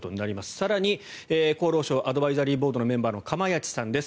更に厚労省アドバイザリーボードのメンバーの釜萢さんです。